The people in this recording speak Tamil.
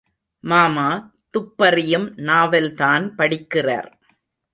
மாமா, துப்பறியும் நாவல்தான் படிக்கிறார்.